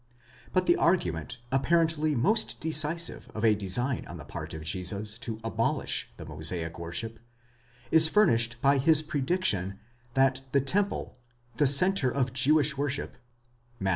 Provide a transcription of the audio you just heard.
But the argument apparently most decisive of a design on the part of Jesus to abolish the Mosaic worship, is furnished by his prediction that the temple, the centre of jewish worship (Matt.